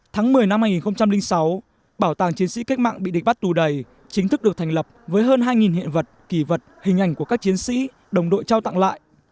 tháng một mươi năm hai nghìn sáu bảo tàng chiến sĩ cách mạng bị địch bắt tù đầy chính thức được thành lập với hơn hai hiện vật kỳ vật hình ảnh của các chiến sĩ đồng đội trao tặng lại